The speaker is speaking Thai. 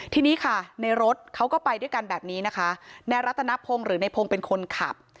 ทีนี้ค่ะในรถเขาก็ไปด้วยกันแบบนี้นะคะนายรัตนพงศ์หรือในพงศ์เป็นคนขับ